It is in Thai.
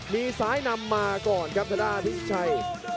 มีซ้ายนำมาก่อนครับทางด้านพิชัย